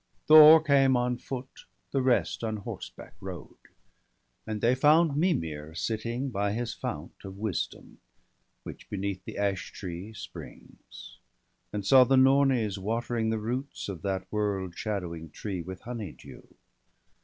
Thor came on foot, the rest on horseback rode. And they found Mimir sitting by his fount Of wisdom, which beneath the ashtree springs; And saw the Nornies watering the roots Of that world shadowing tree with honey dew.